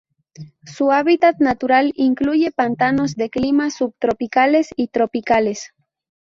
Su hábitat natural incluye pantanos de climas subtropicales y tropicales.